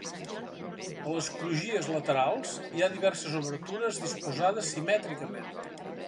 A les crugies laterals hi ha diverses obertures disposades simètricament.